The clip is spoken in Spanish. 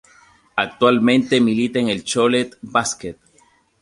Actualmente milita en el Cholet Basket.